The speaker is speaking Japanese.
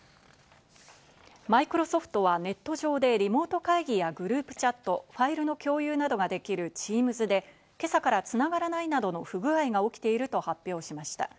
マイクロソフトはネット上でリモート会議やグループチャット、ファイルの共有などができるＴｅａｍｓで、今朝からつながらないなどの不具合が起きていると発表しました。